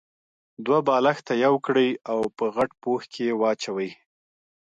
دوه بالښته يو کړئ او په غټ پوښ کې يې واچوئ.